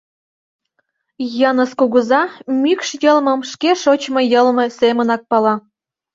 Йыныс кугыза мӱкш йылмым шке шочмо йылме семынак пала.